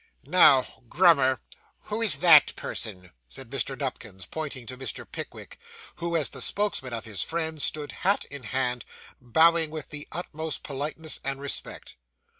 'Now, Grummer, who is that person?' said Mr. Nupkins, pointing to Mr. Pickwick, who, as the spokesman of his friends, stood hat in hand, bowing with the utmost politeness and respect.